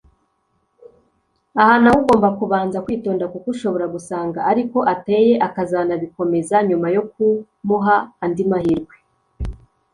aha naho ugomba kubanza kwitonda kuko ushobora gusanga ariko ateye akazanabikomeza nyuma yo kumuha andi mahirwe